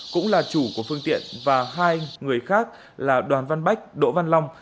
cũng là chủ của phương tiện và hai người khác là đoàn văn bách đỗ văn long